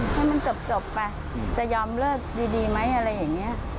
ให้มันจบไปจะยอมเลิกดีไหมอะไรอย่างนี้